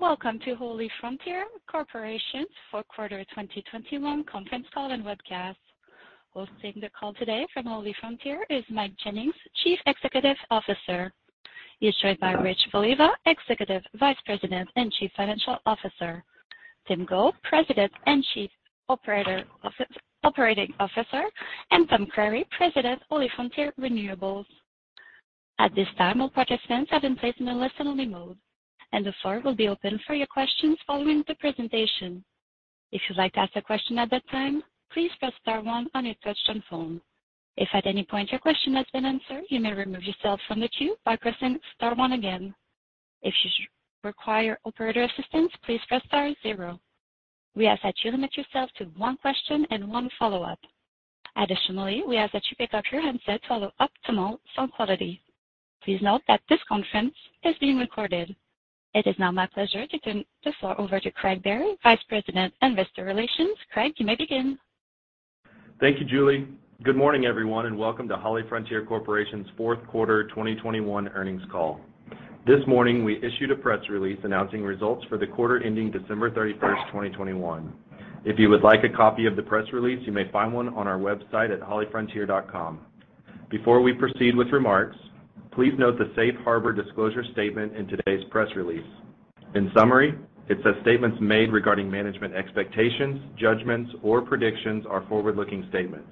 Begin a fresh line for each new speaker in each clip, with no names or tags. Welcome to HollyFrontier Corporation's Fourth Quarter 2021 Conference Call and Webcast. Hosting the call today from HollyFrontier is Mike Jennings, Chief Executive Officer. He's joined by Rich Voliva, Executive Vice President and Chief Financial Officer, Tim Go, President and Chief Operating Officer and Tom Creery, President, HollyFrontier Renewables. At this time, all participants have been placed in a listen-only mode and the floor will be open for your questions following the presentation. If you'd like to ask a question at that time, please press star one on your touch-tone phone. If at any point your question has been answered, you may remove yourself from the queue by pressing star one again. If you require operator assistance, please press star zero. We ask that you limit yourself to one question and one follow-up. Additionally, we ask that you pick up your handset to allow optimal sound quality. Please note that this conference is being recorded. It is now my pleasure to turn the floor over to Craig Biery, Vice President, Investor Relations. Craig, you may begin.
Thank you, Julie. Good morning, everyone, and welcome to HollyFrontier Corporation's Fourth Quarter 2021 Earnings Call. This morning, we issued a press release announcing results for the quarter ending December 31, 2021. If you would like a copy of the press release, you may find one on our website at hollyfrontier.com. Before we proceed with remarks, please note the safe harbor disclosure statement in today's press release. In summary, it says statements made regarding management expectations, judgments or predictions are forward-looking statements.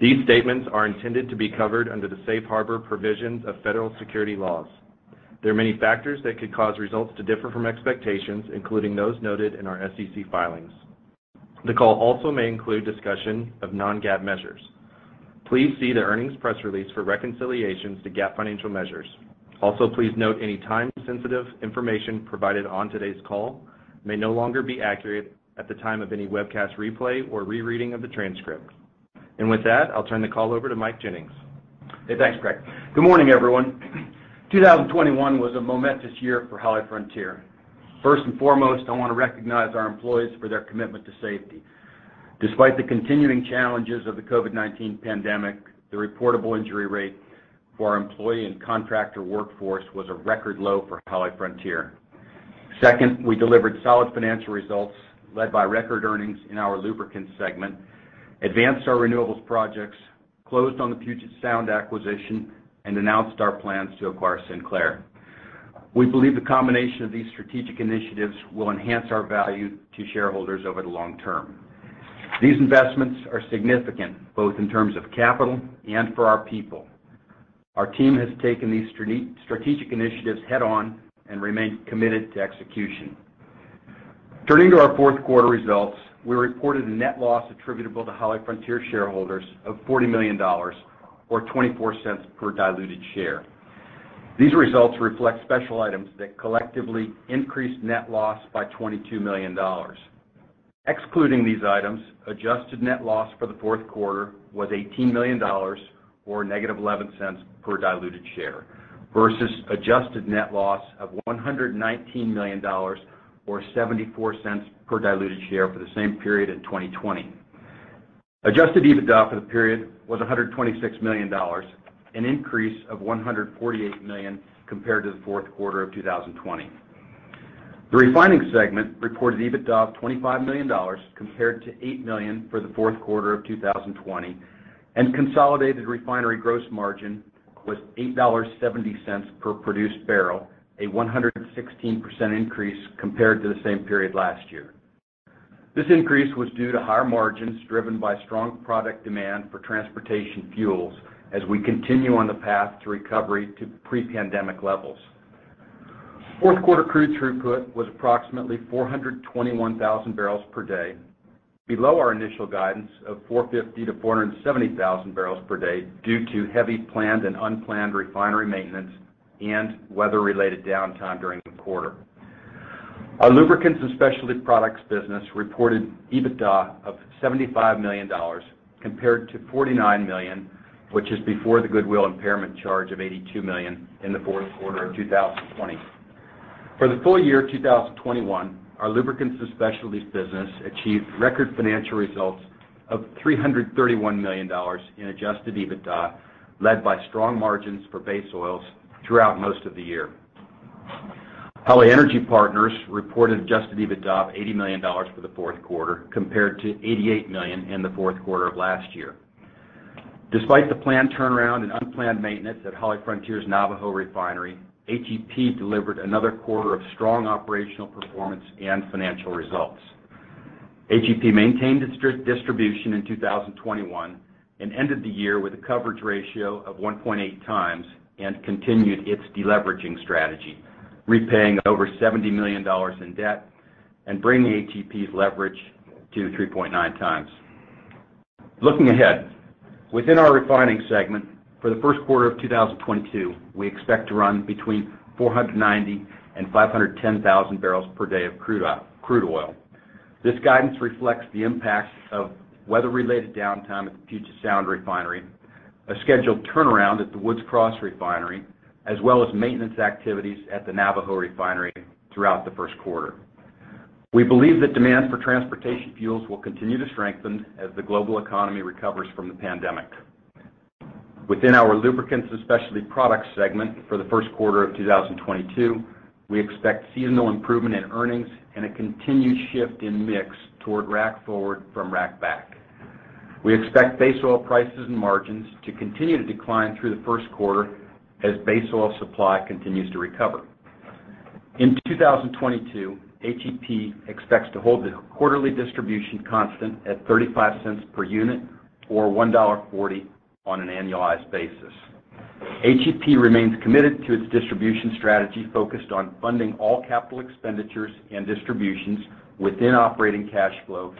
These statements are intended to be covered under the safe harbor provisions of federal security laws. There are many factors that could cause results to differ from expectations, including those noted in our SEC filings. The call also may include discussion of non-GAAP measures. Please see the earnings press release for reconciliations to GAAP financial measures. Also, please note any time-sensitive information provided on today's call may no longer be accurate at the time of any webcast replay or rereading of the transcript. With that, I'll turn the call over to Mike Jennings.
Hey, thanks, Craig. Good morning, everyone. 2021 was a momentous year for HollyFrontier. First and foremost, I wanna recognize our employees for their commitment to safety. Despite the continuing challenges of the COVID-19 pandemic, the reportable injury rate for our employee and contractor workforce was a record low for HollyFrontier. Second, we delivered solid financial results led by record earnings in our lubricants segment, advanced our renewables projects, closed on the Puget Sound acquisition and announced our plans to acquire Sinclair. We believe the combination of these strategic initiatives will enhance our value to shareholders over the long term. These investments are significant both in terms of capital and for our people. Our team has taken these strategic initiatives head on and remain committed to execution. Turning to our fourth quarter results, we reported a net loss attributable to HollyFrontier shareholders of $40 million or $0.24 per diluted share. These results reflect special items that collectively increased net loss by $22 million. Excluding these items, adjusted net loss for the fourth quarter was $18 million or -$0.11 per diluted share versus adjusted net loss of $119 million or $0.74 per diluted share for the same period in 2020. Adjusted EBITDA for the period was $126 million, an increase of $148 million compared to the fourth quarter of 2020. The refining segment reported EBITDA of $25 million compared to $8 million for the fourth quarter of 2020 and consolidated refinery gross margin was $8.70 per produced barrel, a 116% increase compared to the same period last year. This increase was due to higher margins driven by strong product demand for transportation fuels as we continue on the path to recovery to pre-pandemic levels. Fourth quarter crude throughput was approximately 421,000 barrels per day, below our initial guidance of 450,000-470,000 barrels per day due to heavy planned and unplanned refinery maintenance and weather-related downtime during the quarter. Our lubricants and specialty products business reported EBITDA of $75 million compared to $49 million which is before the goodwill impairment charge of $82 million in the fourth quarter of 2020. For the full year 2021, our lubricants and specialties business achieved record financial results of $331 million in adjusted EBITDA, led by strong margins for base oils throughout most of the year. Holly Energy Partners reported adjusted EBITDA of $80 million for the fourth quarter, compared to $88 million in the fourth quarter of last year. Despite the planned turnaround and unplanned maintenance at HollyFrontier's Navajo refinery, HEP delivered another quarter of strong operational performance and financial results. HEP maintained its distribution in 2021 and ended the year with a coverage ratio of 1.8 times and continued its deleveraging strategy, repaying over $70 million in debt and bringing HEP's leverage to 3.9 times. Looking ahead, within our refining segment for the first quarter of 2022, we expect to run between 490,000 and 510,000 barrels per day of crude oil. This guidance reflects the impacts of weather-related downtime at the Puget Sound refinery, a scheduled turnaround at the Woods Cross refinery, as well as maintenance activities at the Navajo refinery throughout the first quarter. We believe that demand for transportation fuels will continue to strengthen as the global economy recovers from the pandemic. Within our lubricants and specialty products segment for the first quarter of 2022, we expect seasonal improvement in earnings and a continued shift in mix toward rack forward from rack back. We expect base oil prices and margins to continue to decline through the first quarter as base oil supply continues to recover. In 2022, HEP expects to hold the quarterly distribution constant at $0.35 per unit or $1.40 on an annualized basis. HEP remains committed to its distribution strategy focused on funding all capital expenditures and distributions within operating cash flow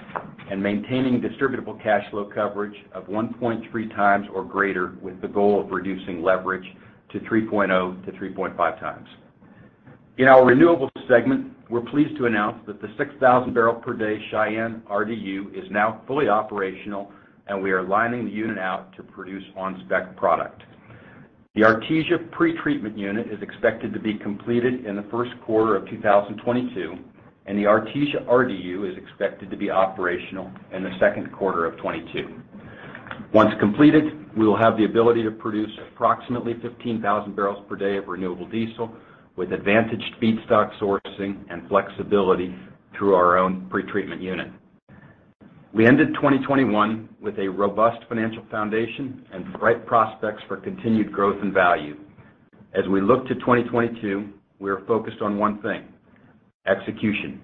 and maintaining distributable cash flow coverage of 1.3 times or greater with the goal of reducing leverage to 3.0-3.5 times. In our renewables segment, we're pleased to announce that the 6,000 barrel per day Cheyenne RDU is now fully operational and we are lining the unit out to produce on-spec product. The Artesia pretreatment unit is expected to be completed in the first quarter of 2022, and the Artesia RDU is expected to be operational in the second quarter of 2022. Once completed, we will have the ability to produce approximately 15,000 barrels per day of renewable diesel with advantaged feedstock sourcing and flexibility through our own pretreatment unit. We ended 2021 with a robust financial foundation and bright prospects for continued growth and value. As we look to 2022, we are focused on one thing: execution.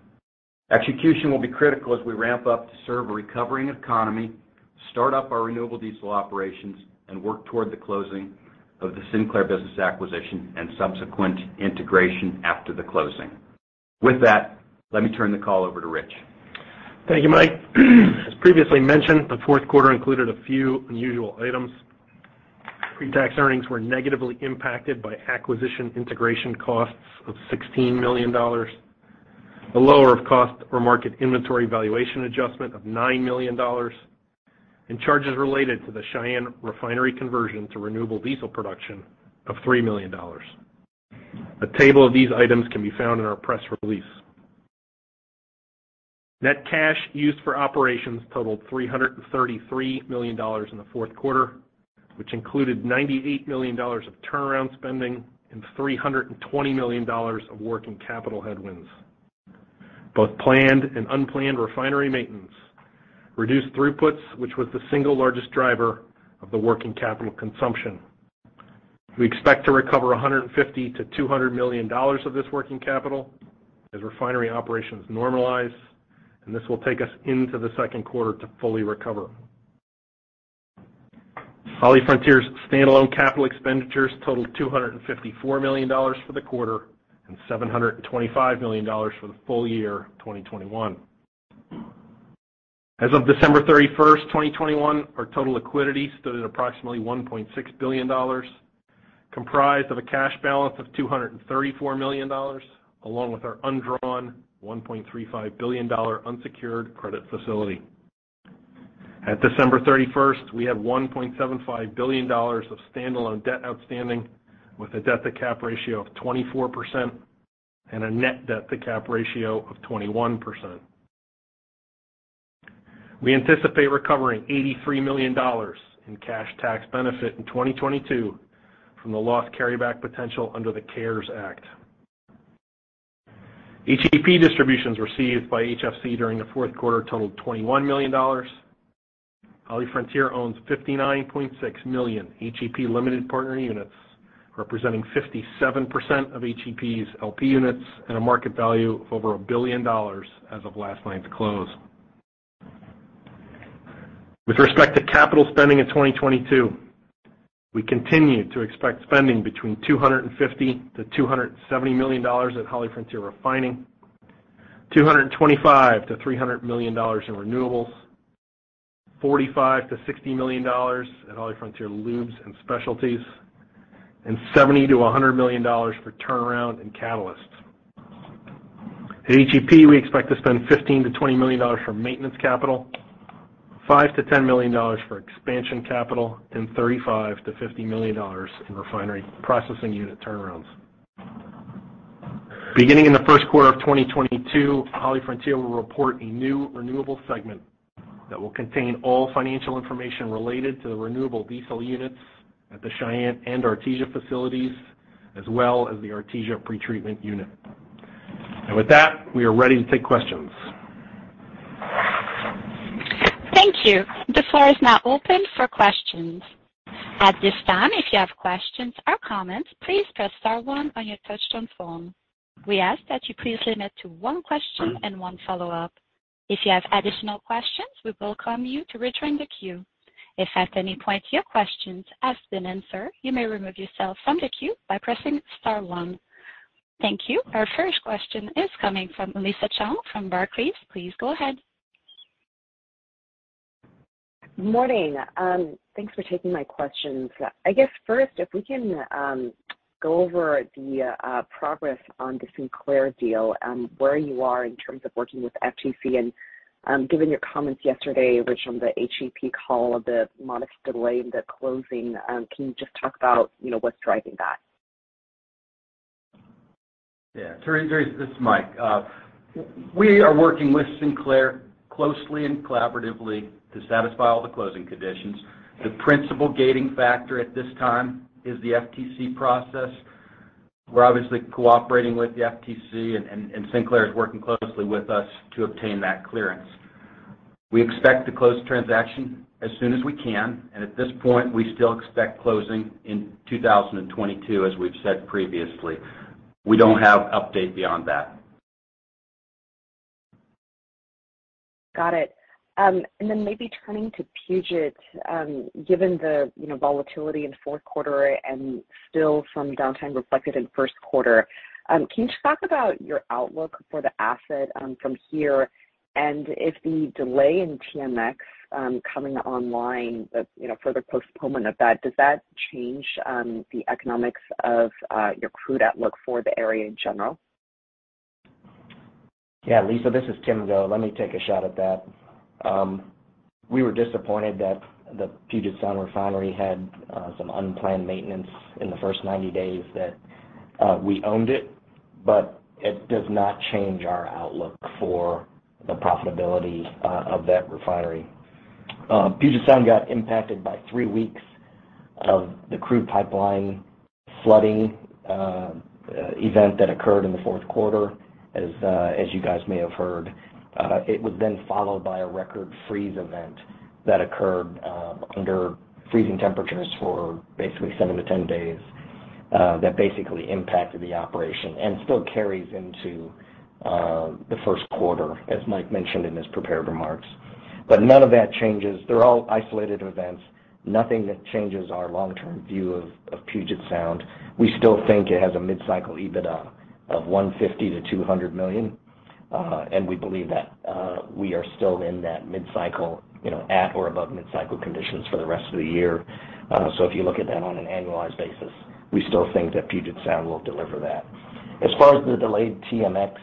Execution will be critical as we ramp up to serve a recovering economy, start up our renewable diesel operations and work toward the closing of the Sinclair business acquisition and subsequent integration after the closing. With that, let me turn the call over to Rich.
Thank you, Mike. As previously mentioned, the fourth quarter included a few unusual items. Pre-tax earnings were negatively impacted by acquisition integration costs of $16 million, a lower of cost or market inventory valuation adjustment of $9 million and charges related to the Cheyenne refinery conversion to renewable diesel production of $3 million. A table of these items can be found in our press release. Net cash used for operations totaled $333 million in the fourth quarter which included $98 million of turnaround spending and $320 million of working capital headwinds. Both planned and unplanned refinery maintenance reduced throughputs which was the single largest driver of the working capital consumption. We expect to recover $150 million-$200 million of this working capital as refinery operations normalize and this will take us into the second quarter to fully recover. HollyFrontier's standalone capital expenditures totaled $254 million for the quarter and $725 million for the full year 2021. As of December 31, 2021, our total liquidity stood at approximately $1.6 billion, comprised of a cash balance of $234 million, along with our undrawn $1.35 billion unsecured credit facility. At December 31st, we had $1.75 billion of standalone debt outstanding with a debt to cap ratio of 24% and a net debt to cap ratio of 21%. We anticipate recovering $83 million in cash tax benefit in 2022 from the lost carryback potential under the CARES Act. HEP distributions received by HFC during the fourth quarter totaled $21 million. HollyFrontier owns 59.6 million HEP limited partner units, representing 57% of HEP's LP units and a market value of over $1 billion as of last night's close. With respect to capital spending in 2022, we continue to expect spending between $250 million-$270 million at HollyFrontier Refining, $225 million-$300 million in renewables, $45 million-$60 million at HollyFrontier Lubricants and Specialties and $70 million-$100 million for turnaround and catalysts. At HEP, we expect to spend $15 million-$20 million for maintenance capital, $5 million-$10 million for expansion capital and $35 million-$50 million in refinery processing unit turnarounds. Beginning in the first quarter of 2022, HollyFrontier will report a new renewable segment that will contain all financial information related to the renewable diesel units at the Cheyenne and Artesia facilities, as well as the Artesia pretreatment unit. With that, we are ready to take questions.
Thank you. The floor is now open for questions. At this time, if you have questions or comments, please press star one on your touchtone phone. We ask that you please limit to one question and one follow-up. If you have additional questions, we welcome you to return the queue. If at any point your questions has been answered, you may remove yourself from the queue by pressing star one. Thank you. Our first question is coming from Theresa Chen from Barclays. Please go ahead.
Good morning. Thanks for taking my questions. I guess first, if we can go over the progress on the Sinclair deal, where you are in terms of working with FTC. Given your comments yesterday, Rich, on the HEP call of the modest delay in the closing, can you just talk about, you know, what's driving that?
Yeah, Theresa, this is Mike. We are working with Sinclair closely and collaboratively to satisfy all the closing conditions. The principal gating factor at this time is the FTC process. We're obviously cooperating with the FTC and Sinclair is working closely with us to obtain that clearance. We expect to close the transaction as soon as we can and at this point, we still expect closing in 2022 as we've said previously. We don't have update beyond that.
Got it. Then maybe turning to Puget, given the you know volatility in fourth quarter and still some downtime reflected in first quarter, can you just talk about your outlook for the asset from here? If the delay in TMX coming online the, you know, further postponement of that, does that change the economics of your crude outlook for the area in general?
Yeah. Lisa, this is Tim Go. Let me take a shot at that. We were disappointed that the Puget Sound Refinery had some unplanned maintenance in the first 90 days that we owned it but it does not change our outlook for the profitability of that refinery. Puget Sound got impacted by three weeks of the crude pipeline flooding event that occurred in the fourth quarter as you guys may have heard. It was then followed by a record freeze event that occurred under freezing temperatures for basically seven to 10 days that basically impacted the operation and still carries into the first quarter, as Mike mentioned in his prepared remarks. None of that changes. They're all isolated events, nothing that changes our long-term view of Puget Sound. We still think it has a mid-cycle EBITDA of $150 million-$200 million. We believe that we are still in that mid-cycle, you know, at or above mid-cycle conditions for the rest of the year. If you look at that on an annualized basis, we still think that Puget Sound will deliver that. As far as the delayed TMX,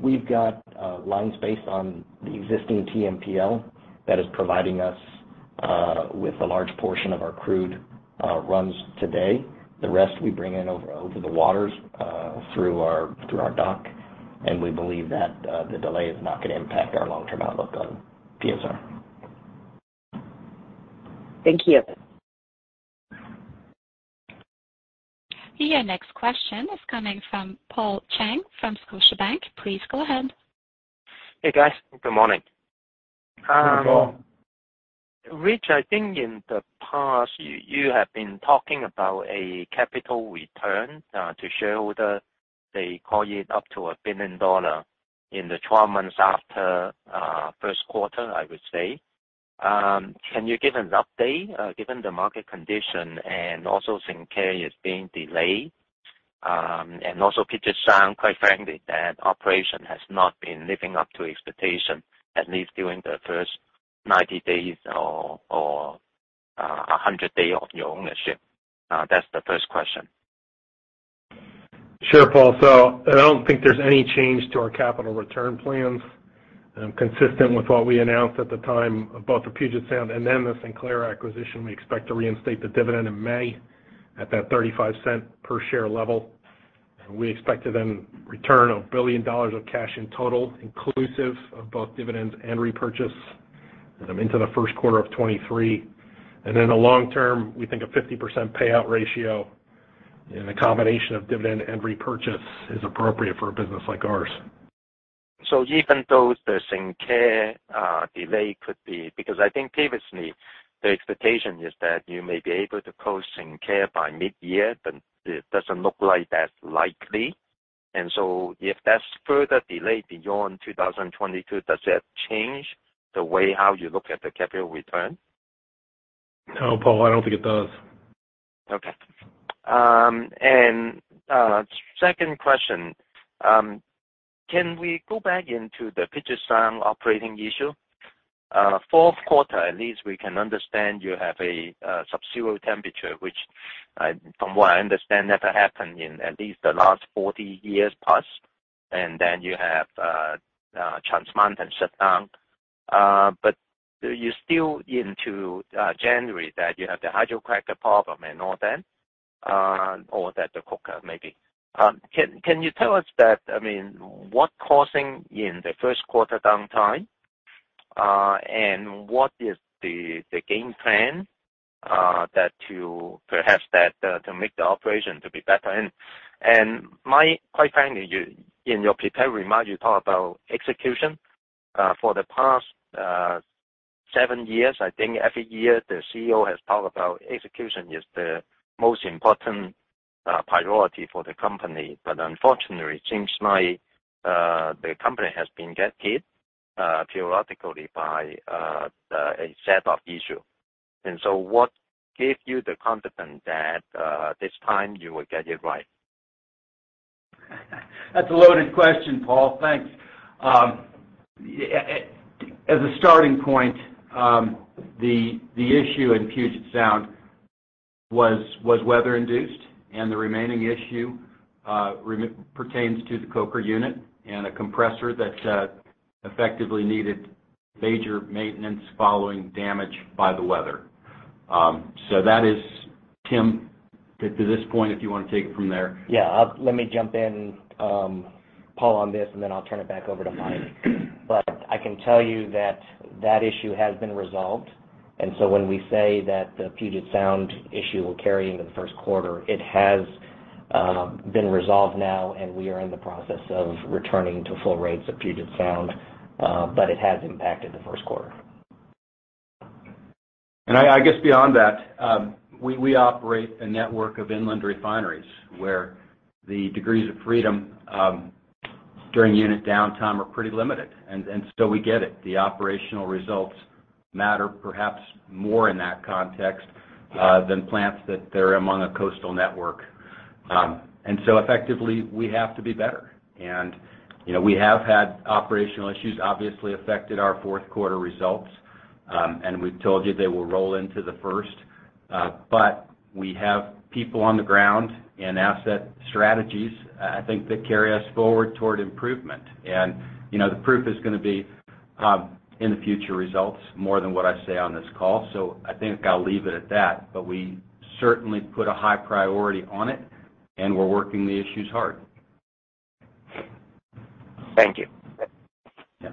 we've got lines based on the existing TMPL that is providing us with a large portion of our crude runs today. The rest we bring in over the waters through our dock and we believe that the delay is not gonna impact our long-term outlook on PSR.
Thank you.
Your next question is coming from Paul Cheng from Scotiabank. Please go ahead.
Hey, guys. Good morning.
Good morning, Paul.
Rich, I think in the past, you have been talking about a capital return to shareholder. They call it up to $1 billion in the 12 months after first quarter, I would say. Can you give an update given the market condition and also Sinclair is being delayed and also Puget Sound, quite frankly, that operation has not been living up to expectation, at least during the first 90 days or a 100 days of your ownership? That's the first question.
Sure, Paul. I don't think there's any change to our capital return plans. Consistent with what we announced at the time of both the Puget Sound and then the Sinclair acquisition, we expect to reinstate the dividend in May at that $0.35 per share level. We expect to then return $1 billion of cash in total inclusive of both dividends and repurchase into the first quarter of 2023. The long term, we think a 50% payout ratio in a combination of dividend and repurchase is appropriate for a business like ours.
Even though the Sinclair delay could be because I think previously, the expectation is that you may be able to close Sinclair by mid-year but it doesn't look like that's likely. If that's further delayed beyond 2022, does that change the way how you look at the capital return?
No, Paul, I don't think it does.
Okay. Second question. Can we go back into the Puget Sound operating issue? Fourth quarter, at least we can understand you have a subzero temperature which from what I understand never happened in at least the last 40 years+ and then you have Trans Mountain shutdown. But you're still into January that you have the hydrocracker problem and all that, or the hydrocracker maybe. Can you tell us that, I mean, what causing in the first quarter downtime and what is the game plan that perhaps to make the operation to be better? Mike, quite frankly, you in your prepared remark, you talk about execution. For the past seven years, I think every year the CEO has talked about execution is the most important priority for the company. Unfortunately, it seems like the company has been getting hit periodically by a set of issues. What gave you the confidence that this time you will get it right?
That's a loaded question, Paul. Thanks. As a starting point, the issue in Puget Sound was weather induced and the remaining issue pertains to the coker unit and a compressor that effectively needed major maintenance following damage by the weather. That is, Tim, to this point, if you wanna take it from there.
Yeah. Let me jump in, Paul, on this and then I'll turn it back over to Mike. I can tell you that that issue has been resolved. When we say that the Puget Sound issue will carry into the first quarter, it has been resolved now and we are in the process of returning to full rates at Puget Sound. It has impacted the first quarter.
I guess beyond that, we operate a network of inland refineries where the degrees of freedom during unit downtime are pretty limited. We get it. The operational results matter perhaps more in that context than plants that are among a coastal network. We have to be better. You know, we have had operational issues, obviously affected our fourth quarter results. We've told you they will roll into the first but we have people on the ground and asset strategies, I think, that carry us forward toward improvement. You know, the proof is gonna be in the future results more than what I say on this call. I think I'll leave it at that, but we certainly put a high priority on it and we're working the issues hard.
Thank you.
Yeah.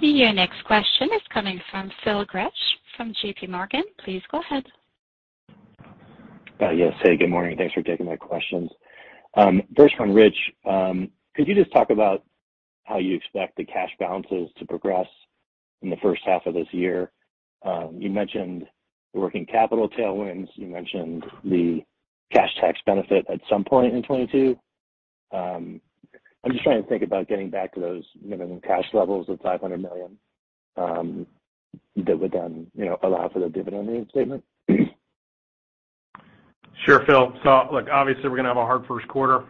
Your next question is coming from Phil Gresh from J.P. Morgan. Please go ahead.
Yes. Hey, good morning. Thanks for taking my questions. First one, Rich, could you just talk about how you expect the cash balances to progress in the first half of this year? You mentioned the working capital tailwinds. You mentioned the cash tax benefit at some point in 2022. I'm just trying to think about getting back to those minimum cash levels of $500 million that would then, you know, allow for the dividend reinstatement.
Sure, Phil. Look, obviously, we're gonna have a hard first quarter.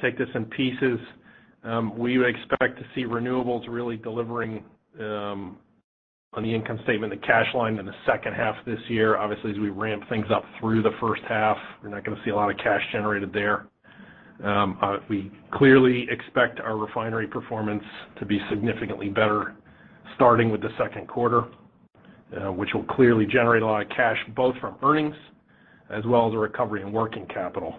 Take this in pieces. We would expect to see renewables really delivering on the income statement, the cash line in the second half this year. Obviously, as we ramp things up through the first half, we're not gonna see a lot of cash generated there. We clearly expect our refinery performance to be significantly better starting with the second quarter which will clearly generate a lot of cash both from earnings as well as a recovery in working capital.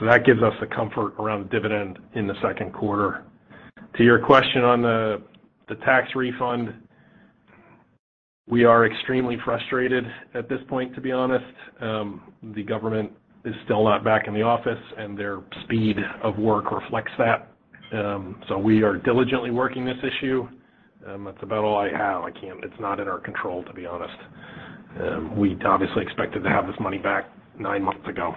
That gives us the comfort around dividend in the second quarter. To your question on the tax refund, we are extremely frustrated at this point to be honest. The government is still not back in the office and their speed of work reflects that. We are diligently working this issue. That's about all I have. It's not in our control, to be honest. We obviously expected to have this money back nine months ago.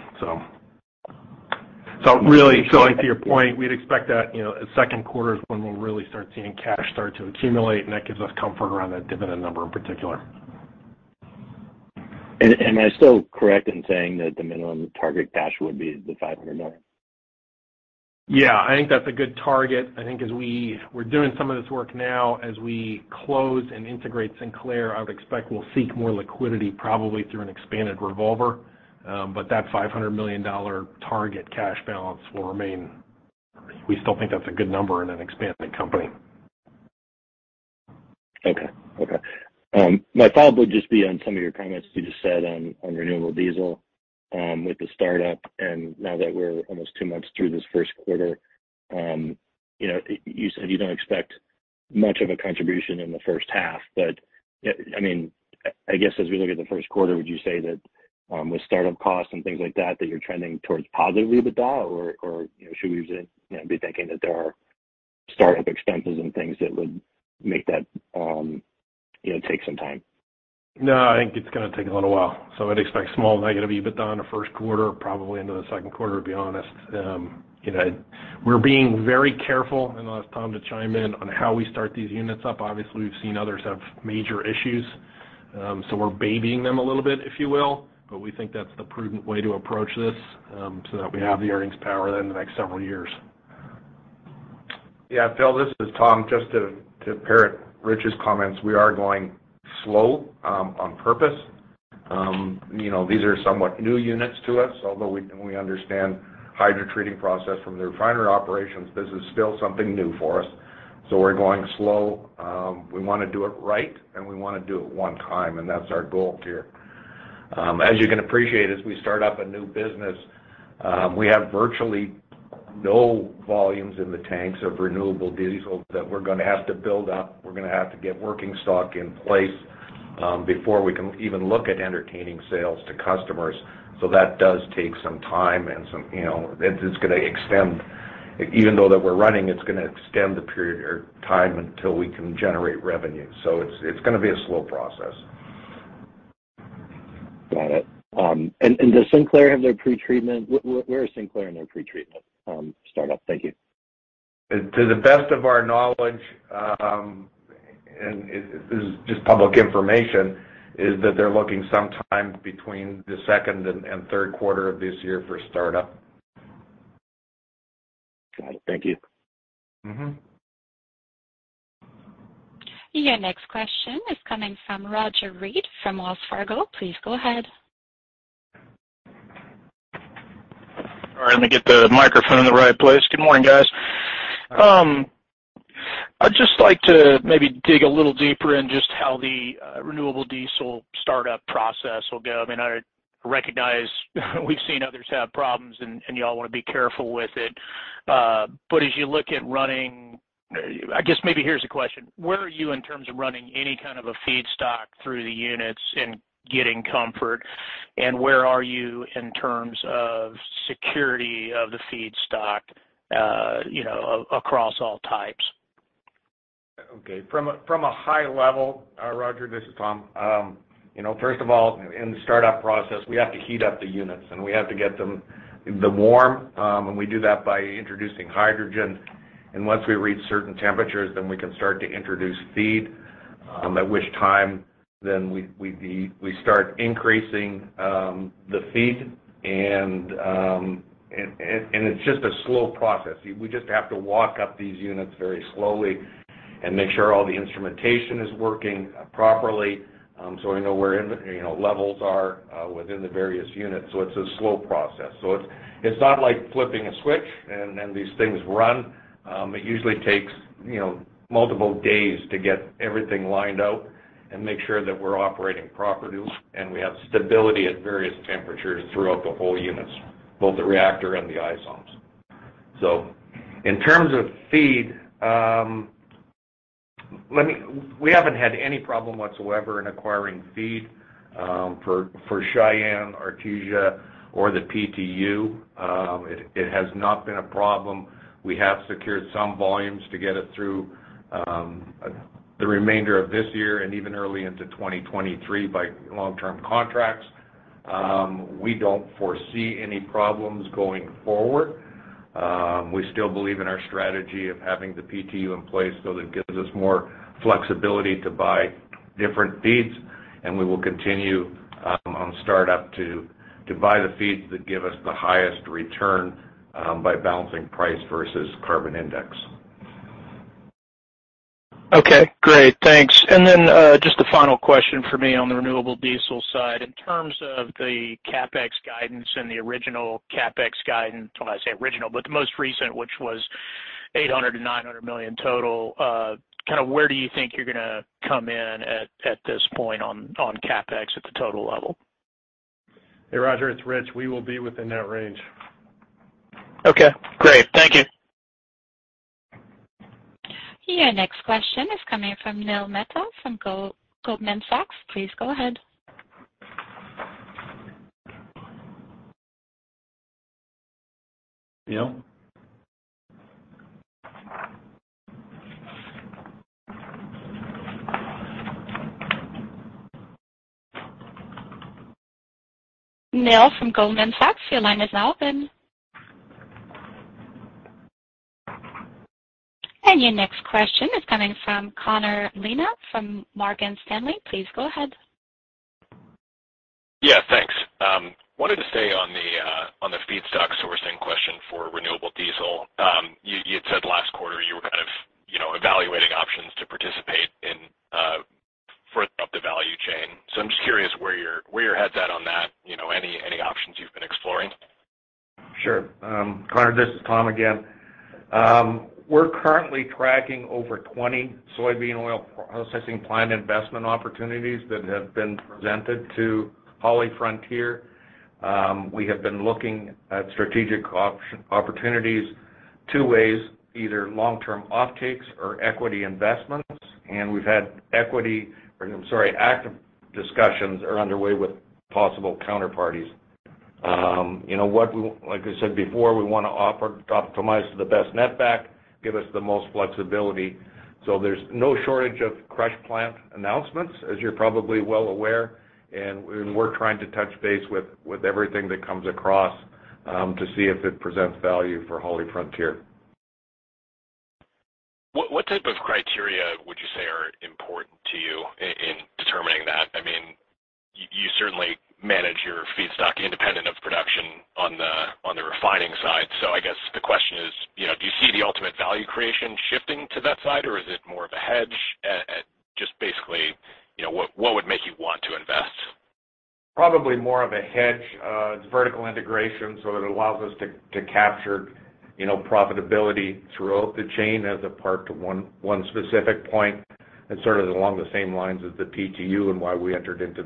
Really, to your point, we'd expect that, you know, second quarter is when we'll really start seeing cash start to accumulate and that gives us comfort around that dividend number in particular.
Am I still correct in saying that the minimum target cash would be the $500 million?
Yeah, I think that's a good target. I think as we're doing some of this work now. As we close and integrate Sinclair, I would expect we'll seek more liquidity probably through an expanded revolver but that $500 million target cash balance will remain. We still think that's a good number in an expanding company.
Okay. My follow-up would just be on some of your comments you just said on renewable diesel with the startup. Now that we're almost two months through this first quarter, you know, you said you don't expect much of a contribution in the first half. I mean, I guess as we look at the first quarter, would you say that with startup costs and things like that you're trending towards positive EBITDA? Or, you know, should we be thinking that there are startup expenses and things that would make that, you know, take some time?
No, I think it's gonna take a little while. I'd expect small negative EBITDA in the first quarter, probably into the second quarter, to be honest. You know, we're being very careful and I'll ask Tom to chime in on how we start these units up. Obviously, we've seen others have major issues so we're babying them a little bit, if you will. We think that's the prudent way to approach this so that we have the earnings power in the next several years.
Yeah. Phil, this is Tom. Just to parrot Rich's comments, we are going slow on purpose. You know, these are somewhat new units to us, although we understand hydrotreating process from the refinery operations. This is still something new for us, so we're going slow. We wanna do it right and we wanna do it one time and that's our goal here. As you can appreciate, as we start up a new business, we have virtually no volumes in the tanks of renewable diesel that we're gonna have to build up. We're gonna have to get working stock in place before we can even look at entertaining sales to customers. So that does take some time and you know, it's gonna extend. Even though that we're running, it's gonna extend the period or time until we can generate revenue. It's gonna be a slow process.
Got it. Does Sinclair have their pretreatment? Where is Sinclair in their pretreatment startup? Thank you.
To the best of our knowledge, it is just public information that they're looking sometime between the second and third quarter of this year for startup.
Got it. Thank you.
Mm-hmm.
Your next question is coming from Roger Read from Wells Fargo. Please go ahead.
All right, let me get the microphone in the right place. Good morning, guys. I'd just like to maybe dig a little deeper in just how the renewable diesel startup process will go. I mean, I recognize we've seen others have problems and y'all wanna be careful with it. I guess maybe here's the question: Where are you in terms of running any kind of a feedstock through the units and getting comfort and where are you in terms of security of the feedstock, you know, across all types?
Okay. From a high level, Roger, this is Tom. You know, first of all, in the startup process, we have to heat up the units and we have to get them warm. We do that by introducing hydrogen. Once we reach certain temperatures, we can start to introduce feed, at which time we start increasing the feed and it's just a slow process. We just have to walk up these units very slowly and make sure all the instrumentation is working properly so we know where you know levels are within the various units. It's a slow process. It's not like flipping a switch and then these things run. It usually takes, you know, multiple days to get everything lined out and make sure that we're operating properly and we have stability at various temperatures throughout the whole units, both the reactor and the isomerization units. In terms of feed, we haven't had any problem whatsoever in acquiring feed for Cheyenne, Artesia or the PTU. It has not been a problem. We have secured some volumes to get it through the remainder of this year and even early into 2023 by long-term contracts. We don't foresee any problems going forward. We still believe in our strategy of having the PTU in place so that gives us more flexibility to buy different feeds and we will continue on startup to buy the feeds that give us the highest return by balancing price versus carbon index.
Okay. Great. Thanks. Just a final question for me on the renewable diesel side. In terms of the CapEx guidance and the original CapEx guidance, well, I say original, but the most recent which was $800 million-$900 million total, kinda where do you think you're gonna come in at this point on CapEx at the total level?
Hey, Roger, it's Rich. We will be within that range.
Okay, great. Thank you.
Your next question is coming from Neil Mehta from Goldman Sachs. Please go ahead.
Neal?
Neil from Goldman Sachs, your line is now open. Your next question is coming from Connor Lynagh from Morgan Stanley. Please go ahead.
Yeah. Thanks. I wanted to stay on the feedstock sourcing question for renewable diesel. You had said last quarter you were kind of, you know, evaluating options to participate in further up the value chain. I'm just curious where your head's at on that. You know, any options you've been exploring?
Sure. Conor, this is Tom again. We're currently tracking over 20 soybean oil processing plant investment opportunities that have been presented to HollyFrontier. We have been looking at strategic opportunities two ways: either long-term offtakes or equity investments. We've had active discussions underway with possible counterparties. You know what? Like I said before, we wanna optimize to the best net back, give us the most flexibility. There's no shortage of crush plant announcements, as you're probably well aware. We're trying to touch base with everything that comes across to see if it presents value for HollyFrontier.
What type of criteria would you say are important to you in determining that? I mean, you certainly manage your feedstock independent of production on the refining side. So I guess the question is, you know, do you see the ultimate value creation shifting to that side or is it more of a hedge? And just basically, you know, what would make you want to invest?
Probably more of a hedge. It's vertical integration so it allows us to capture, you know, profitability throughout the chain as opposed to one specific point. It's sort of along the same lines as the PTU and why we entered into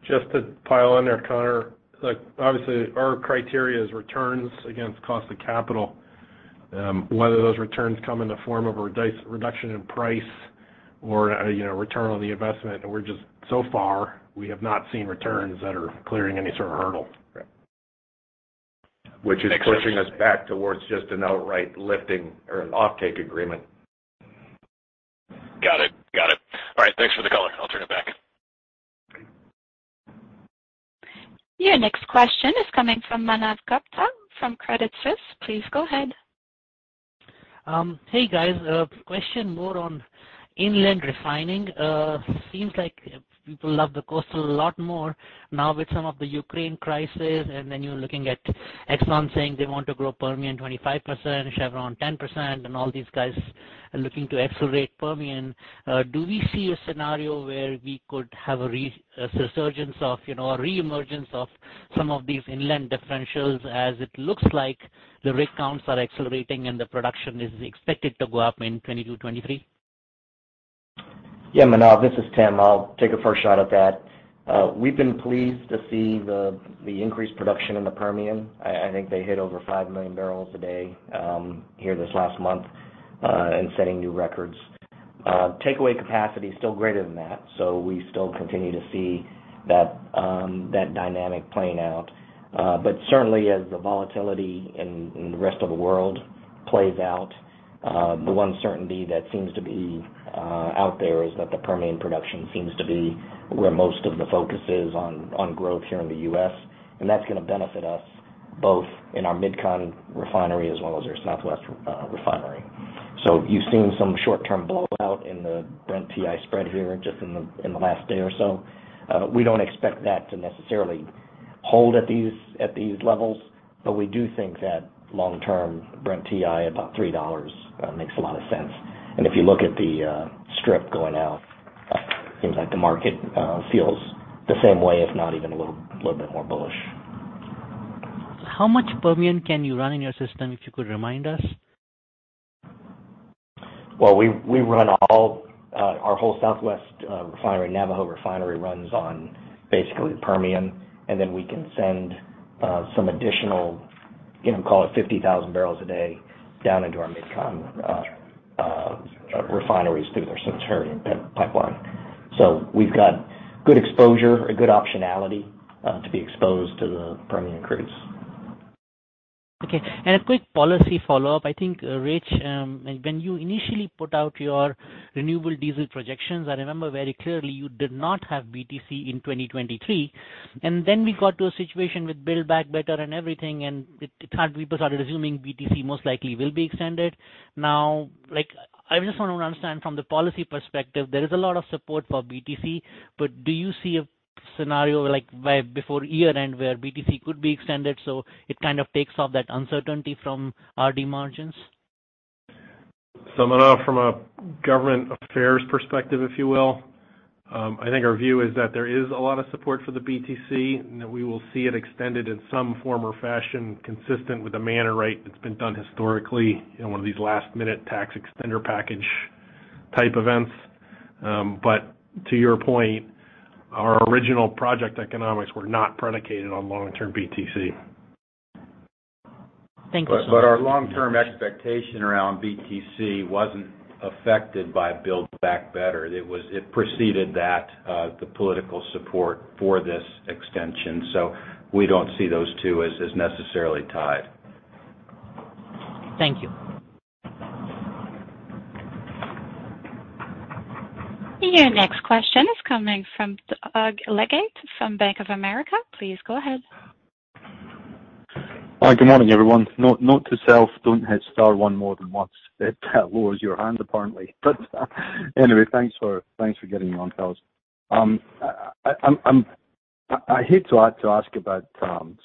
that market.
Just to pile on there, Connor. Like, obviously, our criteria is returns against cost of capital, whether those returns come in the form of a reduction in price or, you know, return on the investment. So far, we have not seen returns that are clearing any sort of hurdle.
Right.
Which is pushing us back towards just an outright lifting or an offtake agreement.
Got it. All right, thanks for the color. I'll turn it back.
Your next question is coming from Manav Gupta from Credit Suisse. Please go ahead.
Hey, guys. A question more on inland refining. Seems like people love the coastal a lot more now with some of the Ukraine crisis and then you're looking at Exxon saying they want to grow Permian 25%, Chevron 10% and all these guys are looking to accelerate Permian. Do we see a scenario where we could have a resurgence of, you know, a reemergence of some of these inland differentials as it looks like the rig counts are accelerating and the production is expected to go up in 2022, 2023?
Yeah, Manav, this is Tim. I'll take a first shot at that. We've been pleased to see the increased production in the Permian. I think they hit over 5 million barrels a day here this last month and setting new records. Takeaway capacity is still greater than that so we still continue to see that dynamic playing out but certainly as the volatility in the rest of the world plays out, the one certainty that seems to be out there is that the Permian production seems to be where most of the focus is on growth here in the U.S. and that's gonna benefit us both in our MidCon refinery as well as our Southwestern refinery. You've seen some short-term blow out in the Brent-WTI spread here just in the last day or so. We don't expect that to necessarily hold at these levels but we do think that long-term Brent-WTI about $3 makes a lot of sense. If you look at the strip going out, it seems like the market feels the same way if not even a little bit more bullish.
How much Permian can you run in your system, if you could remind us?
Well, we run our whole Southwest refinery. Navajo refinery runs on basically Permian and then we can send some additional, you know, call it 50,000 barrels a day down into our MidCon refineries through our Centurion Pipeline. We've got good exposure or good optionality to be exposed to the Permian crude.
Okay. A quick policy follow-up. I think, Rich, when you initially put out your renewable diesel projections, I remember very clearly you did not have BTC in 2023. We got to a situation with Build Back Better and everything and it had people started assuming BTC most likely will be extended. Now, like, I just wanna understand from the policy perspective, there is a lot of support for BTC but do you see a scenario like where before year-end where BTC could be extended so it kind of takes off that uncertainty from RD margins?
Manav, from a government affairs perspective, if you will, I think our view is that there is a lot of support for the BTC and that we will see it extended in some form or fashion consistent with the manner, right, that's been done historically in one of these last minute tax extender package type events. To your point, our original project economics were not predicated on long-term BTC.
Thank you so much.
Our long-term expectation around BTC wasn't affected by Build Back Better. It preceded that, the political support for this extension. We don't see those two as necessarily tied.
Thank you.
Your next question is coming from Doug Leggate from Bank of America. Please go ahead.
Hi, good morning, everyone. Note to self, don't hit star one more than once. It lowers your hand, apparently. Anyway, thanks for getting me on, guys. I hate to have to ask about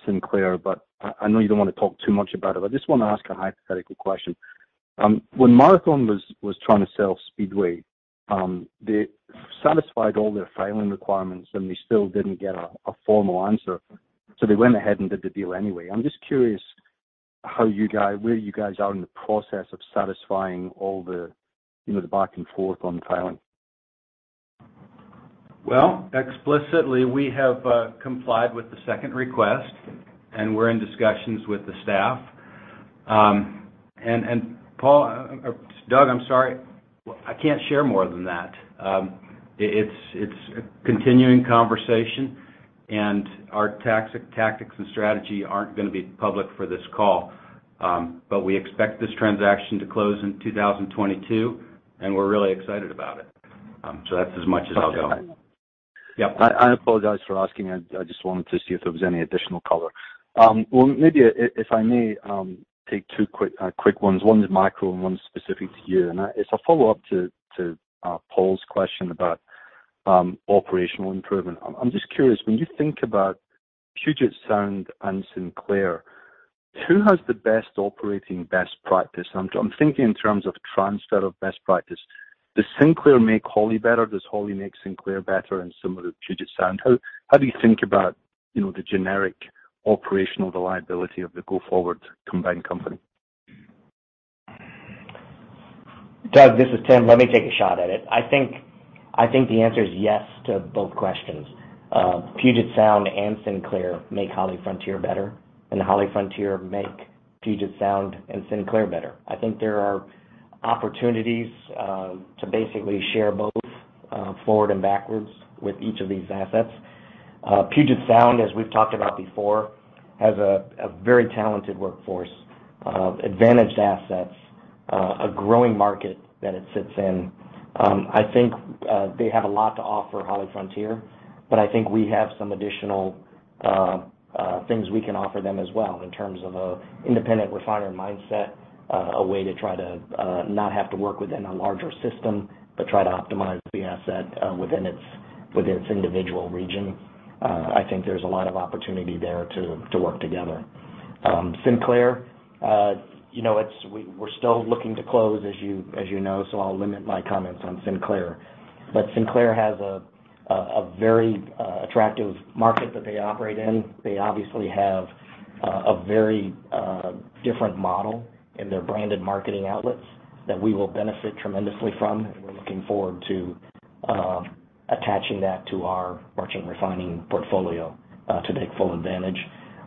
Sinclair but I know you don't wanna talk too much about i but I just wanna ask a hypothetical question. When Marathon was trying to sell Speedway, they satisfied all their filing requirements, and they still didn't get a formal answer so they went ahead and did the deal anyway. I'm just curious where you guys are in the process of satisfying all the, you know, the back and forth on the filing.
Well, explicitly, we have complied with the second request and we're in discussions with the staff. Paul, Doug, I'm sorry. I can't share more than that. It's a continuing conversation and our tactics and strategy aren't gonna be public for this call. We expect this transaction to close in 2022 and we're really excited about it. That's as much as I'll go.
Okay.
Yeah.
I apologize for asking. I just wanted to see if there was any additional color. Well, maybe if I may, take two quick ones. One is macro and one is specific to you. It's a follow-up to Paul's question about operational improvement. I'm just curious, when you think about Puget Sound and Sinclair, who has the best operating best practice? I'm thinking in terms of transfer of best practice. Does Sinclair make Holly better? Does Holly make Sinclair better? Similar to Puget Sound, how do you think about, you know, the generic operational reliability of the go-forward combined company?
Doug, this is Tim. Let me take a shot at it. I think the answer is yes to both questions. Puget Sound and Sinclair make HollyFrontier bette and HollyFrontier make Puget Sound and Sinclair better. I think there are opportunities to basically share both forward and backwards with each of these assets. Puget Sound, as we've talked about before has a very talented workforce, advantaged assets, a growing market that it sits in. I think they have a lot to offer HollyFrontier but I think we have some additional things we can offer them as well in terms of an independent refinery mindset, a way to try to not have to work within a larger system but try to optimize the asset within its individual region. I think there's a lot of opportunity there to work together. Sinclair, you know, it's we're still looking to close, as you know, so I'll limit my comments on Sinclair but Sinclair has a very attractive market that they operate in. They obviously have a very different model in their branded marketing outlets that we will benefit tremendously from. We're looking forward to attaching that to our merchant refining portfolio to take full advantage.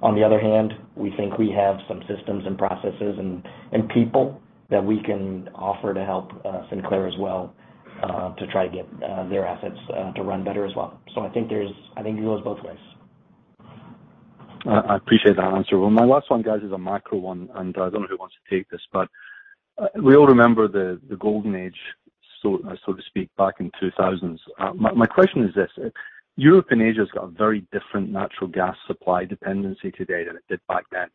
On the other hand, we think we have some systems and processes and people that we can offer to help Sinclair as well to try to get their assets to run better as well. I think it goes both ways.
I appreciate that answer. Well, my last one, guys, is a macro one and I don't know who wants to take this. We all remember the golden age, so to speak, back in 2000s. My question is this: Europe has got very different natural gas supply dependency today than it did back then.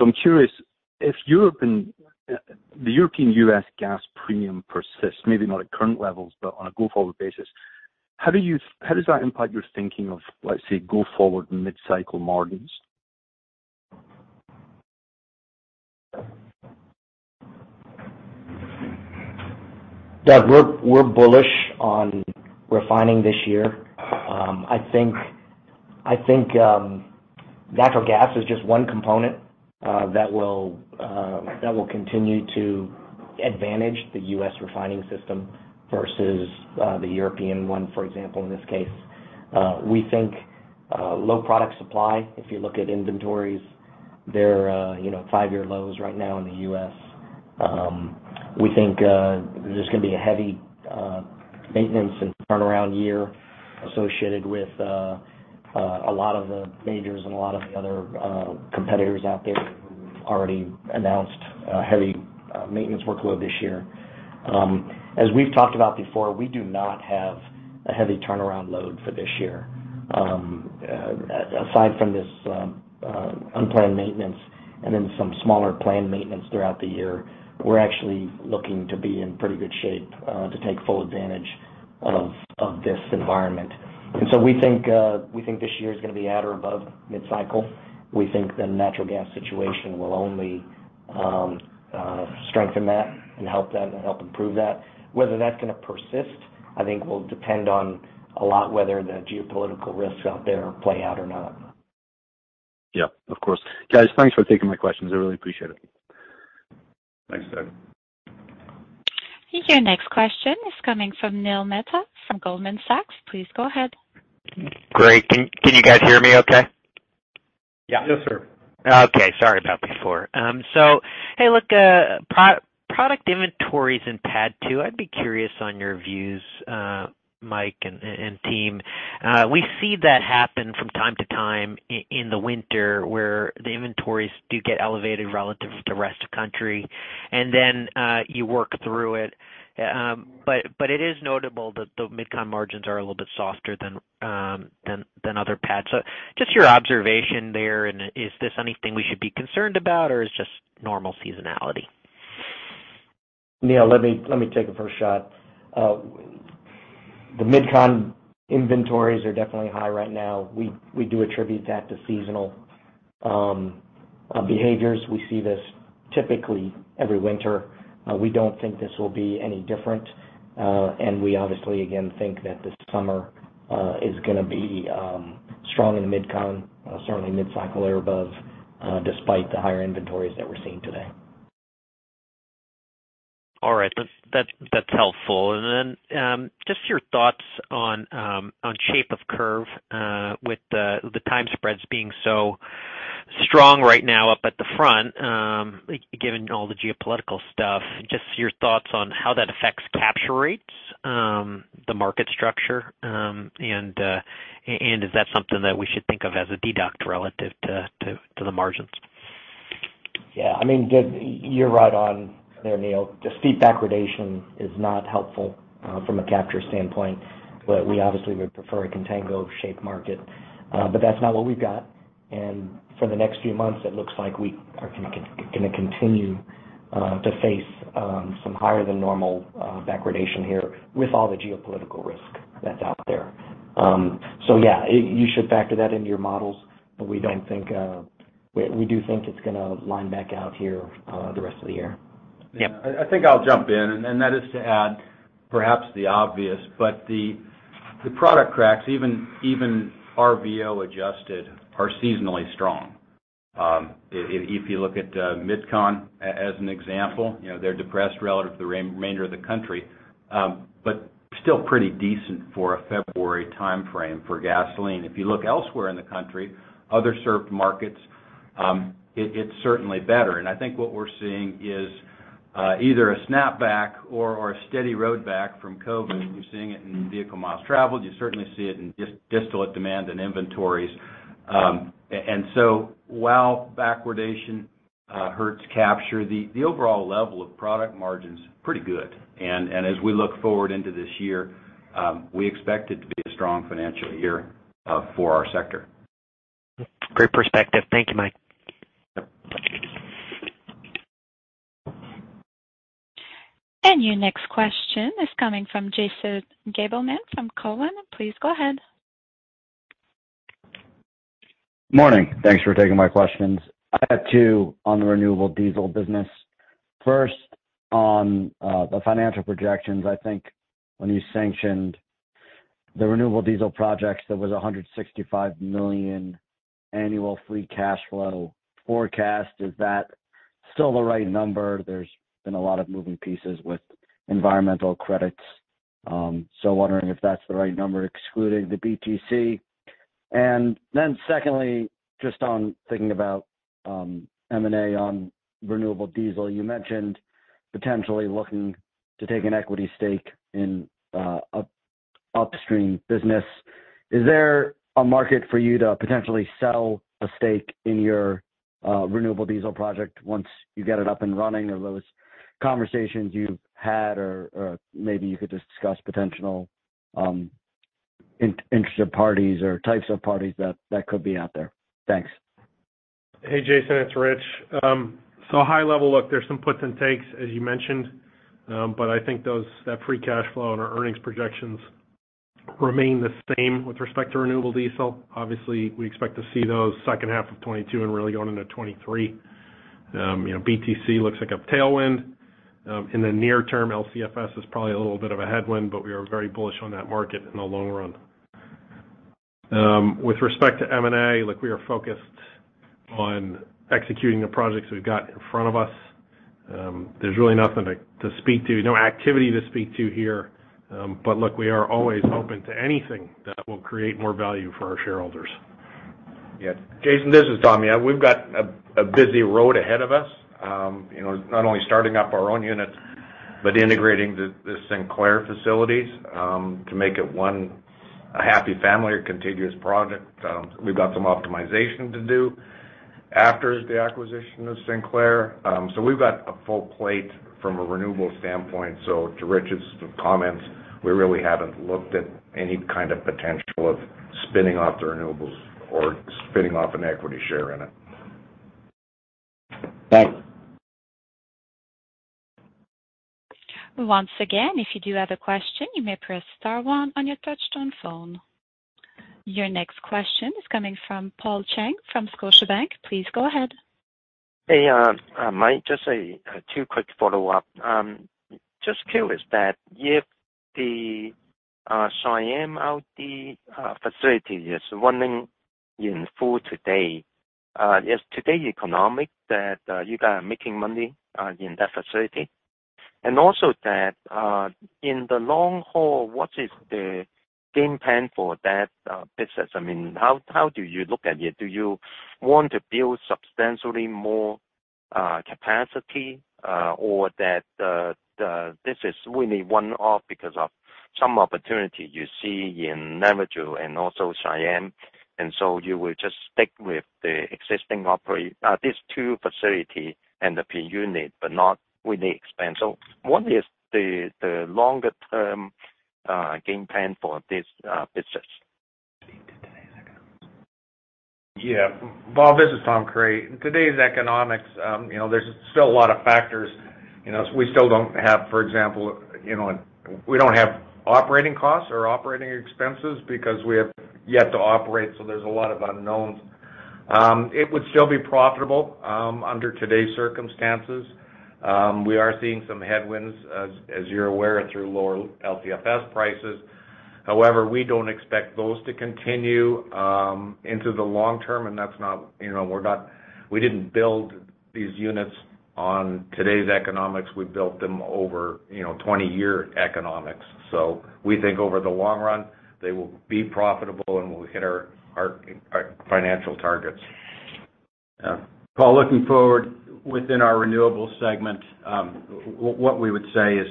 I'm curious if the European-U.S. gas premium persists, maybe not at current levels but on a go-forward basis, how does that impact your thinking of, let's say, go forward mid-cycle margins?
Doug, we're bullish on refining this year. I think natural gas is just one component that will continue to advantage the U.S. refining system versus the European one, for example, in this case. We think low product supply, if you look at inventories, they're five-year lows right now in the U.S. We think there's gonna be a heavy maintenance and turnaround year associated with a lot of the majors and a lot of the other competitors out there who've already announced a heavy maintenance workload this year. As we've talked about before, we do not have a heavy turnaround load for this year. Aside from this unplanned maintenance and then some smaller planned maintenance throughout the year, we're actually looking to be in pretty good shape to take full advantage of this environment. We think this year is gonna be at or above mid-cycle. We think the natural gas situation will only strengthen that and help that, and help improve that. Whether that's gonna persist, I think will depend on a lot whether the geopolitical risks out there play out or not.
Yeah, of course. Guys, thanks for taking my questions. I really appreciate it.
Thanks, Doug.
Your next question is coming from Neil Mehta from Goldman Sachs. Please go ahead.
Great. Can you guys hear me okay?
Yeah.
Yes, sir.
Okay. Sorry about before. Hey, look, product inventories in PADD 2. I'd be curious on your views, Mike and team. We see that happen from time to time in the winter where the inventories do get elevated relative to the rest of country and then you work through it but it is notable that the MidCon margins are a little bit softer than other pads. Just your observation there and is this anything we should be concerned about or it's just normal seasonality?
Neil, let me take a first shot. The MidCon inventories are definitely high right now. We do attribute that to seasonal behaviors. We see this typically every winter. We don't think this will be any different. We obviously, again, think that this summer is gonna be strong in the MidCon, certainly mid-cycle or above, despite the higher inventories that we're seeing today.
All right. That's helpful. Then, just your thoughts on shape of curve with the time spreads being so strong right now up at the front, given all the geopolitical stuff. Just your thoughts on how that affects capture rates, the market structure and is that something that we should think of as a deduct relative to the margins?
Yeah. I mean, you're right on there, Neil. Just steep backwardation is not helpful from a capture standpoint but we obviously would prefer a contango shape market. That's not what we've got. For the next few months, it looks like we are gonna continue to face some higher than normal backwardation here with all the geopolitical risk that's out there. Yeah, you should factor that into your models but we don't think we do think it's gonna line back out here the rest of the year.
Yeah. I think I'll jump in, and that is to add perhaps the obvious. The product cracks, even RVO adjusted are seasonally strong. If you look at MidCon as an example, you know, they're depressed relative to the remainder of the country but still pretty decent for a February timeframe for gasoline. If you look elsewhere in the country, other served markets, it's certainly better. I think what we're seeing is either a snapback or a steady roadback from COVID. You're seeing it in vehicle miles traveled. You certainly see it in distillate demand and inventories. While backwardation hurts capture, the overall level of product margin's pretty good. As we look forward into this year, we expect it to be a strong financial year for our sector.
Great perspective. Thank you, Mike.
Yep.
Your next question is coming from Jason Gabelman from Cowen. Please go ahead.
Morning. Thanks for taking my questions. I have two on the renewable diesel business. First, on the financial projections. I think when you sanctioned the renewable diesel projects, there was $165 million annual free cash flow forecast. Is that still the right number? There's been a lot of moving pieces with environmental credits, so wondering if that's the right number excluding the BTC. Then secondly, just on thinking about M&A on renewable diesel, you mentioned potentially looking to take an equity stake in upstream business. Is there a market for you to potentially sell a stake in your renewable diesel project once you get it up and running? Are those conversations you've had or maybe you could just discuss potential interested parties or types of parties that could be out there? Thanks.
Hey, Jason, it's Rich. High level, look, there's some puts and takes as you mentioned. I think that free cash flow and our earnings projections remain the same with respect to renewable diesel. Obviously, we expect to see those second half of 2022 and really going into 2023. You know, BTC looks like a tailwind. In the near term, LCFS is probably a little bit of a headwind but we are very bullish on that market in the long run. With respect to M&A, look, we are focused on executing the projects we've got in front of us. There's really nothing to speak to, no activity to speak to here. Look, we are always open to anything that will create more value for our shareholders.
Yeah. Jason, this is Tom. Yeah, we've got a busy road ahead of us. You know, not only starting up our own units but integrating the Sinclair facilities to make it one happy family or contiguous project. We've got some optimization to do after the acquisition of Sinclair. We've got a full plate from a renewable standpoint. To Rich's comments, we really haven't looked at any kind of potential of spinning off the renewables or spinning off an equity share in it.
Thanks.
Once again, if you do have a question, you may press star one on your touchtone phone. Your next question is coming from Paul Cheng from Scotiabank. Please go ahead.
Hey, Mike, just two quick follow-ups. Just curious if the Cheyenne RD facility is running full today, is it economic today that you guys are making money in that facility? And also, in the long haul, what is the game plan for that business? I mean, how do you look at it? Do you want to build substantially more capacity or is the business really one-off because of some opportunity you see in Navajo and also Cheyenne and you will just stick with the existing these two facilities and the per-unit but not really expand? What is the longer term game plan for this business?
Yeah. Paul, this is Tom Creery. In today's economics, you know, there's still a lot of factors. You know, we still don't have, for example, you know, we don't have operating costs or operating expenses because we have yet to operate so there's a lot of unknowns. It would still be profitable under today's circumstances. We are seeing some headwinds as you're aware through lower LCFS prices. However, we don't expect those to continue into the long term and that's not, you know, we didn't build these units on today's economics. We built them over, you know, 20-year economics. So we think over the long run, they will be profitable and we'll hit our financial targets. Yeah. Paul, looking forward within our renewables segment, what we would say is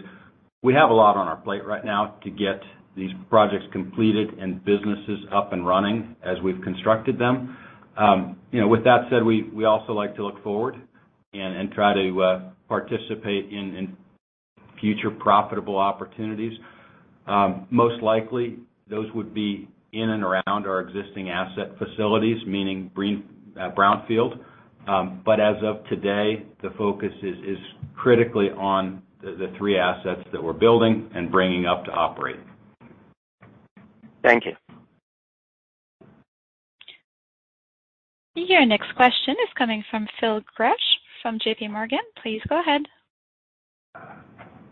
we have a lot on our plate right now to get these projects completed and businesses up and running as we've constructed them. You know, with that said, we also like to look forward and try to participate in future profitable opportunities. Most likely those would be in and around our existing asset facilities, meaning brownfield. As of today, the focus is critically on the three assets that we're building and bringing up to operate.
Thank you.
Your next question is coming from Phil Gresh from J.P. Morgan. Please go ahead.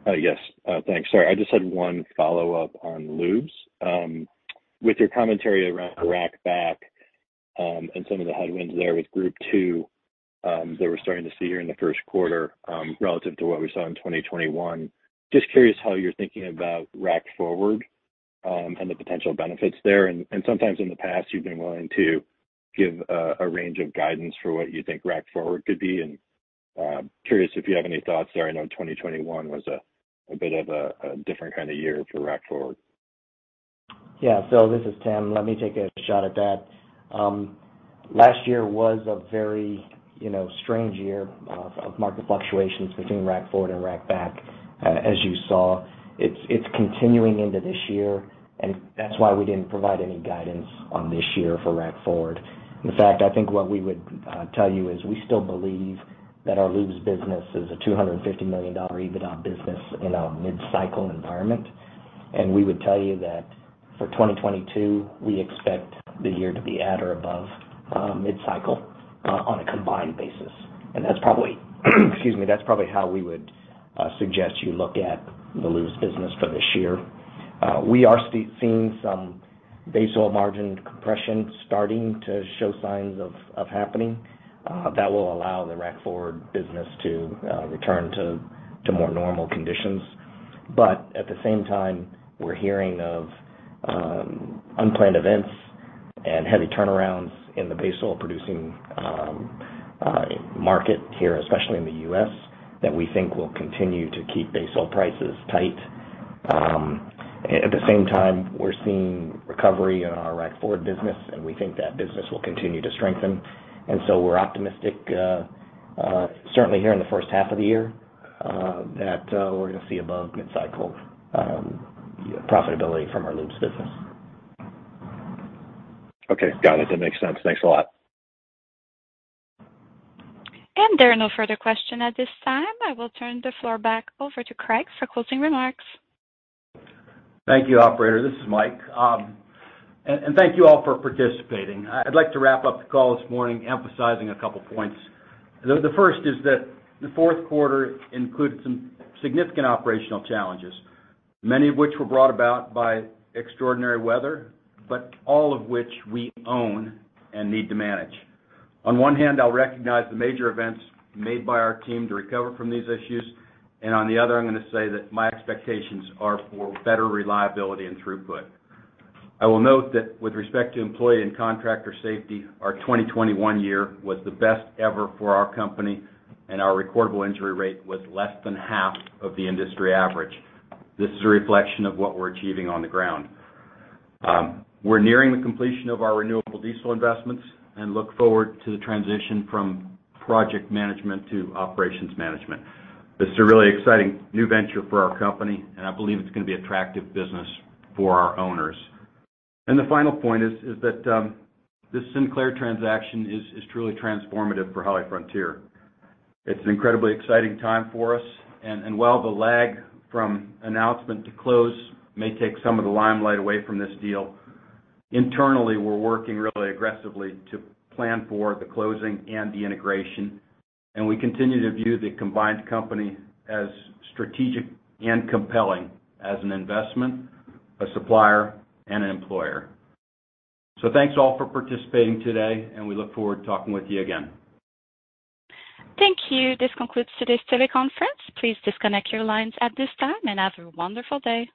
Yes. Thanks. Sorry. I just had one follow-up on lubes. With your commentary around rack back and some of the headwinds there with Group II, that we're starting to see here in the first quarter, relative to what we saw in 2021, just curious how you're thinking about rack forward and the potential benefits there. Sometimes in the past you've been willing to give a range of guidance for what you think rack forward could be. Curious if you have any thoughts there. I know 2021 was a bit of a different kind of year for rack forward.
Yeah. This is Tim. Let me take a shot at that. Last year was a very, you know, strange year of market fluctuations between rack forward and rack back. As you saw, it's continuing into this year and that's why we didn't provide any guidance on this year for rack forward. In fact, I think what we would tell you is we still believe that our lubes business is a $250 million EBITDA business in a mid-cycle environment. We would tell you that For 2022, we expect the year to be at or above mid-cycle on a combined basis. That's probably how we would suggest you look at the lubes business for this year. We are seeing some base oil margin compression starting to show signs of happening that will allow the rack forward business to return to more normal conditions. At the same time, we're hearing of unplanned events and heavy turnarounds in the base oil producing market here, especially in the U.S., that we think will continue to keep base oil prices tight. At the same time, we're seeing recovery in our rack forward business and we think that business will continue to strengthen. We're optimistic, certainly here in the first half of the year, that we're gonna see above mid-cycle profitability from our lubes business.
Okay. Got it. That makes sense. Thanks a lot.
There are no further questions at this time. I will turn the floor back over to Craig for closing remarks.
Thank you, operator. This is Mike. And thank you all for participating. I'd like to wrap up the call this morning emphasizing a couple of points. The first is that the fourth quarter included some significant operational challenges, many of which were brought about by extraordinary weather but all of which we own and need to manage. On one hand, I'll recognize the major efforts made by our team to recover from these issues and on the other, I'm gonna say that my expectations are for better reliability and throughput. I will note that with respect to employee and contractor safety, our 2021 year was the best ever for our company and our recordable injury rate was less than half of the industry average. This is a reflection of what we're achieving on the ground. We're nearing the completion of our renewable diesel investments and look forward to the transition from project management to operations management. This is a really exciting new venture for our company and I believe it's gonna be attractive business for our owners. The final point is that this Sinclair transaction is truly transformative for HollyFrontier. It's an incredibly exciting time for us. While the lag from announcement to close may take some of the limelight away from this deal, internally, we're working really aggressively to plan for the closing and the integration and we continue to view the combined company as strategic and compelling as an investment, a supplier and an employer. Thanks all for participating today and we look forward to talking with you again.
Thank you. This concludes today's teleconference. Please disconnect your lines at this time and have a wonderful day.